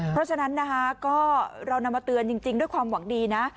เพราะฉะนั้นเรานำมาเตือนจริงจริงด้วยความหวังดีนะ